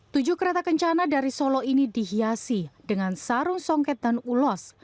tujuh kereta kencana dari solo ini dihiasi dengan sarung songket dan ulos